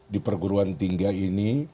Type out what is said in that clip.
di perguruan tinggi ini